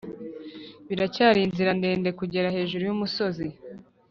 biracyari inzira ndende kugera hejuru yumusozi.